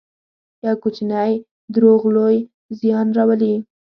یو کوچنی دروغ لوی زیان راولي.